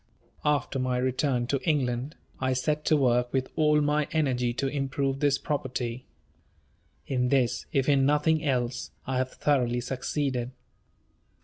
After my return to England, I set to work with all my energy to improve this property. In this, if in nothing else, I have thoroughly succeeded.